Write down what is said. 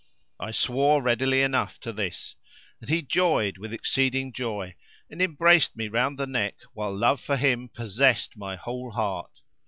I swore readily enough to this and he joyed with exceeding joy and embraced me round the neck while love for him possessed my whole heart.